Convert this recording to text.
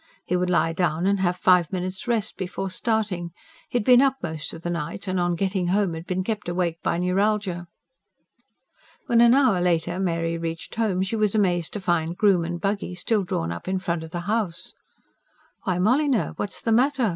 He would lie down and have five minutes' rest before starting: he had been up most of the night, and on getting home had been kept awake by neuralgia. When an hour later Mary reached home, she was amazed to find groom and buggy still drawn up in front of the house. "Why, Molyneux, what's the matter?